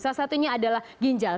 salah satunya adalah ginjal